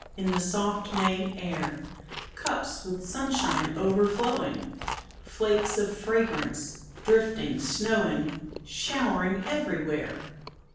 In the soft May air; Cups with sunshine overflowing — Flakes of fragrance, drifting, snowing. Showering everywhere